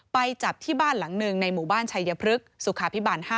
ไปจับที่บ้านหลังหนึ่งในหมู่บ้านชัยพฤกษ์สุขาพิบาล๕